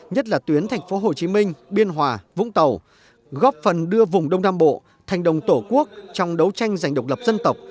nhất là tuyến tp hcm biên hòa vũng tàu góp phần đưa vùng đông nam bộ thành đồng tổ quốc trong đấu tranh giành độc lập dân tộc